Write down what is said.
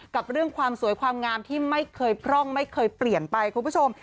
กับเรื่องความสวยความงามที่ไม่เคยพร่องไม่เคยเปลี่ยนไปคุณผู้ชม